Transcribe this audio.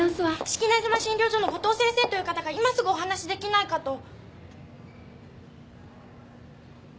志木那島診療所の五島先生という方が今すぐお話しできないかと。